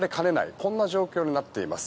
こんな状況になっています。